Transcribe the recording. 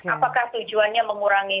apakah tujuannya mengurangi